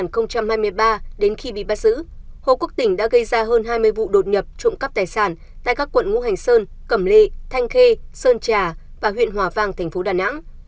theo bác sứ hồ quốc tỉnh đã gây ra hơn hai mươi vụ đột nhập trộm cắp tài sản tại các quận ngũ hành sơn cẩm lê thanh khê sơn trà và huyện hòa vàng tp đà nẵng